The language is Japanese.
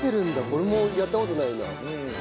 これもやった事ないな。